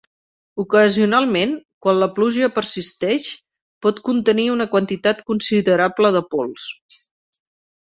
Ocasionalment, quan la pluja persisteix, pot contenir una quantitat considerable de pols.